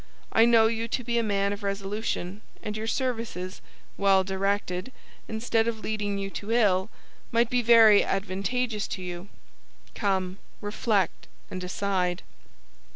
I know you to be a man of resolution; and your services, well directed, instead of leading you to ill, might be very advantageous to you. Come; reflect, and decide."